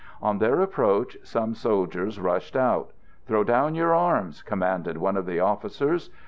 On their approach some soldiers rushed out. "Throw down your arms!" commanded one of the officers.